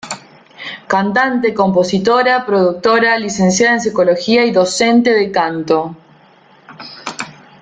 Cantante, compositora, productora, Licenciada en Psicología y docente de canto.